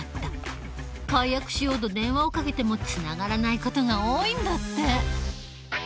解約しようと電話をかけてもつながらない事が多いんだって。